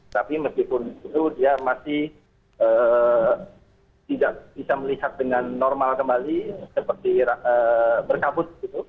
tapi meskipun itu dia masih tidak bisa melihat dengan normal kembali seperti berkabut